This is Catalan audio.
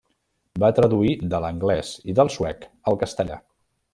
Va traduir de l'anglès i del suec al castellà.